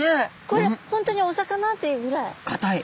これ本当にお魚？っていうぐらい。